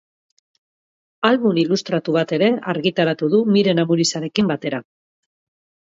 Album ilustratu bat ere argitaratu du Miren Amurizarekin batera.